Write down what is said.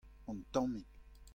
un tammig.